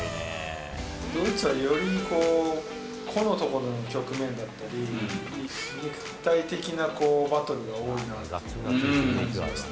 ドイツはより個のところの局面だったり、肉体的なバトルが多いなっていう感じはありますね。